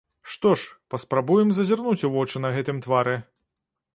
Што ж, паспрабуем зазірнуць ў вочы на гэтым твары.